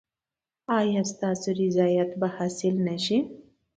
ایا ستاسو رضایت به حاصل نه شي؟